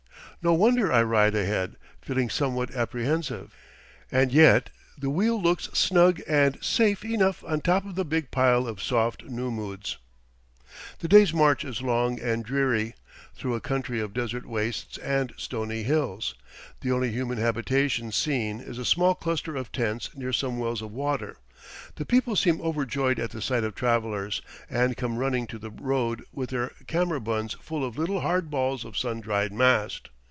No wonder I ride ahead, feeling somewhat apprehensive; and yet the wheel looks snug and safe enough on top of the big pile of soft nummuds. The day's march is long and dreary, through a country of desert wastes and stony hills. The only human habitation seen is a small cluster of tents near some wells of water. The people seem overjoyed at the sight of travellers, and come running to the road with their kammerbunds full of little hard balls of sun dried mast.